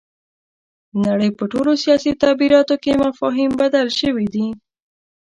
د نړۍ په ټولو سیاسي تعبیراتو کې مفاهیم بدل شوي دي.